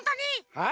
はい。